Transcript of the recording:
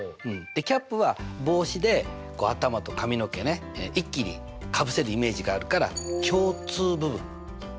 ∩は帽子で頭と髪の毛ね一気にかぶせるイメージがあるから共通部分ね。